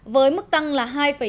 với mức tăng là hai chín